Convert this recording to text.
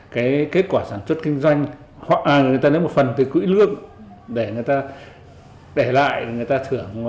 cái kết quả sản xuất kinh doanh hoặc người ta lấy một phần từ quỹ lương để người ta để lại người ta thưởng